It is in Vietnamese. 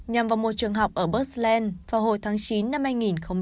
nhằm vào một trường học ở berlin vào hồi tháng chín năm hai nghìn hai